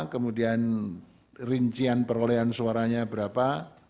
kemudian rincian perolehan suaranya berapa